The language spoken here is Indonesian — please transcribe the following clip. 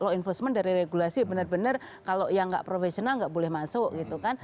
law enforcement dari regulasi benar benar kalau yang nggak profesional nggak boleh masuk gitu kan